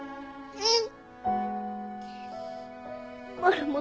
うん。